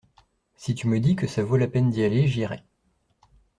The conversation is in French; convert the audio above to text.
Si tu me dis que ça vaut la peine d’y aller j’irai.